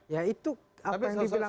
ya itu apa yang dibilang